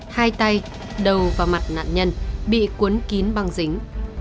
hai tay đầu vào mặt nạn nhân bị cuốn kín băng dính